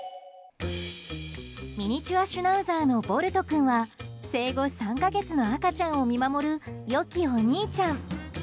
ミニチュアシュナウザーのぼると君は生後３か月の赤ちゃんを見守る良きお兄ちゃん。